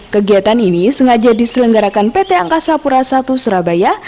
kegiatan ini sengaja diselenggarakan pt angkasa pura i surabaya